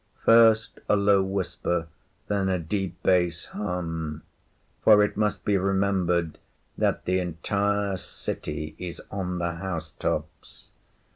First a low whisper, then a deep bass hum; for it must be remembered that the entire city is on the house tops.